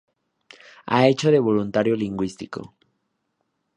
Ha hecho de voluntario lingüístico.